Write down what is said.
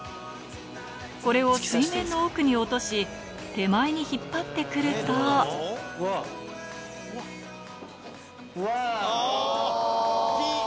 これを水面の奥に落とし手前に引っ張って来るとワオ！